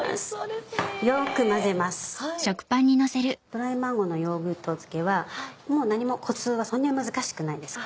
ドライマンゴーのヨーグルト漬けはもう何もコツはそんなに難しくないです。